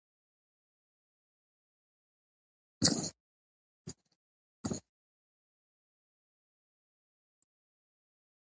د لوستنې لپاره وخت ځانګړی کړئ او عادت وکړئ.